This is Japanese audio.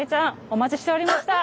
お待ちしておりました。